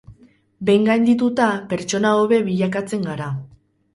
Behin gaindituta, pertsona hobe bilakatzen gara.